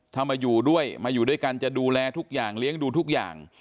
ถ้ามาอยู่ด้วยมาอยู่ด้วยกันจะดูแลทุกอย่างเลี้ยงดูทุกอย่าง